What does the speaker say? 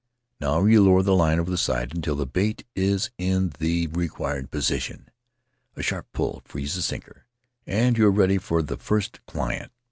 Now you lower the line over the side until the bait is in the required position; a sharp pull frees the sinker, and you are ready for the first client.